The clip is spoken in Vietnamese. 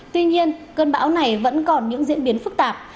tuy nhiên cơn bão này vẫn còn những diễn biến phức tạp